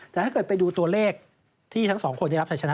แต่ถ้าเกิดไปดูตัวเลขที่ทั้งสองคนได้รับชัยชนะ